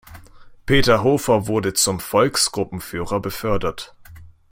Peter Hofer wurde zum „Volksgruppenführer“ befördert.